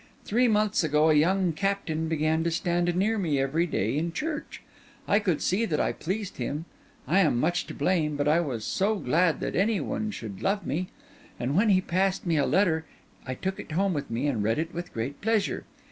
Three months ago a young captain began to stand near me every day in church. I could see that I pleased him; I am much to blame, but I was so glad that any one should love me; and when he passed me a letter, I took it home with me and read it with great pleasure.